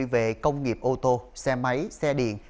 về công nghiệp ô tô xe máy xe điện